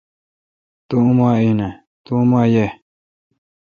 تو اوما یہ۔